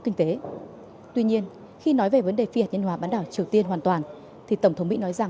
khi triều tiên ngừng tiến hành các vụ thử tên lửa hạt nhân